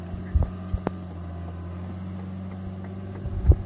El documental "Crudo" trata sobre este suceso.